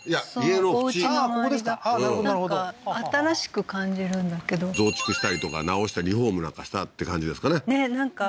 ああなるほどなるほど新しく感じるんだけど増築したりとか直したリフォームなんかしたって感じですかねねえなんか